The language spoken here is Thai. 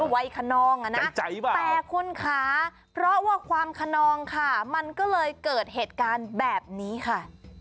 วัยคนนองอ่ะนะแต่คุณคะเพราะว่าความขนองค่ะมันก็เลยเกิดเหตุการณ์แบบนี้ค่ะ